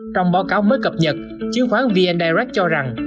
trong báo cáo mới cập nhật chiếm khoản vn direct cho rằng